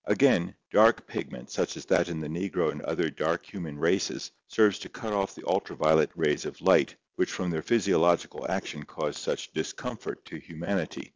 Again, dark pigment such as that in the negro and other dark human races serves to cut off the ultraviolet rays of light which from their physiological action cause such discomfort to humanity.